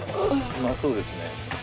うまそうですね。